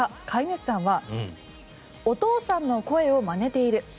飼い主さんはお父さんの声をまねている。